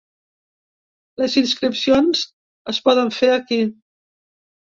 Les inscripcions es poden fer aquí.